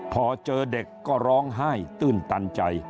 พอเจอเด็กก็ร้องไห้ตื้นตันใจ